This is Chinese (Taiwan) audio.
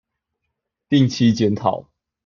定期檢討